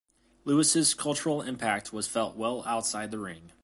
Louis' cultural impact was felt well outside the ring.